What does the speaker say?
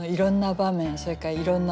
それからいろんな思い